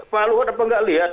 pak luhut apakah lihat